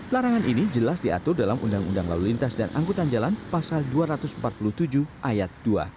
larangan ini jelas diatur dalam undang undang lalu lintas dan angkutan jalan pasal dua ratus empat puluh tujuh ayat dua